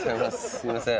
すいません